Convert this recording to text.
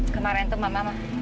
kemarin itu mama mama